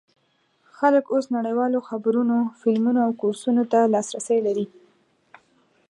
خلک اوس نړیوالو خبرونو، فلمونو او کورسونو ته لاسرسی لري.